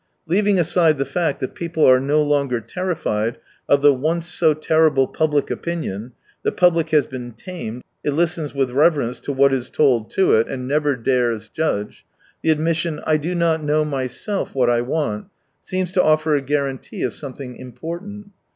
Leaving aside the fact that people are no longer terrified of the once so terrible public opinion (the public has been tamed, it listens with reverence to what is told to 74 it, and never dares judge) — the admission " I do not know myself what I want " seems to offer a guarantee of something important.